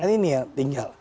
ini ya tinggal